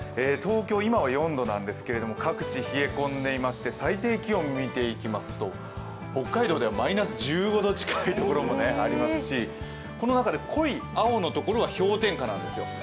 東京、今は４度なんですが各地冷え込んでいまして最低気温を見ていきますと、北海道ではマイナス１５度近い所もありますし、この中で濃い青のところが氷点下なんですよ。